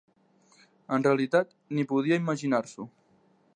En realitat, ni podia imaginar-s'ho.